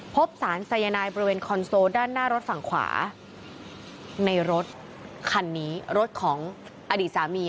พบสารสายนายบริเวณคอนโซลด้านหน้ารถฝั่งขวาในรถคันนี้รถของอดีตสามี